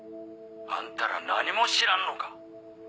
あんたら何も知らんのか！